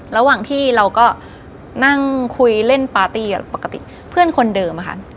ระหว่างที่เราก็นั่งคุยเล่นปาร์ตี้ปกติเพื่อนคนเดิมค่ะ